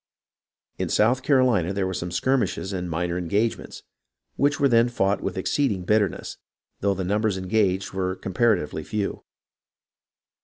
In South Carolina there were some skirmishes and minor engagements, which were then fought with exceed ing bitterness, though the numbers engaged were com paratively few.